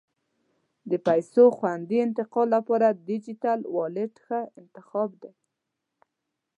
د پیسو خوندي انتقال لپاره ډیجیټل والېټ ښه انتخاب دی.